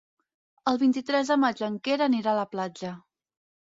El vint-i-tres de maig en Quer anirà a la platja.